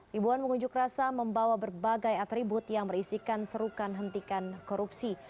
ribuan pengunjuk rasa membawa berbagai atribut yang berisikan serukan hentikan korupsi